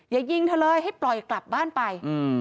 อย่ายิงเธอเลยให้ปล่อยกลับบ้านไป